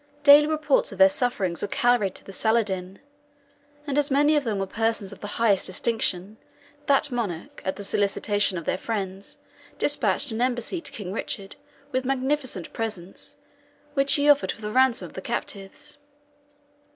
Daily reports of their sufferings were carried to Saladin; and as many of them were persons of the highest distinction, that monarch, at the solicitation of their friends, dispatched an embassy to King Richard with magnificent presents, which he offered for the ransom of the captives.